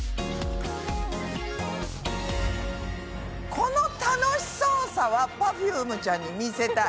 この楽しそうさはＰｅｒｆｕｍｅちゃんに見せたい。